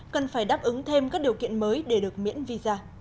cần phải đáp ứng thêm các điều kiện mới để được miễn visa